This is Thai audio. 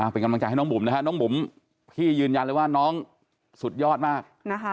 เป็นกำลังใจให้น้องบุ๋มนะฮะน้องบุ๋มพี่ยืนยันเลยว่าน้องสุดยอดมาก